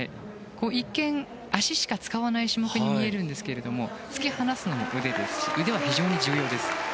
一見、足しか使わない種目に見えますが突き放すのも腕ですし腕は非常に重要です。